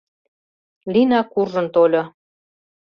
Лина куржын тольо.